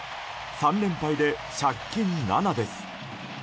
３連敗で借金７です。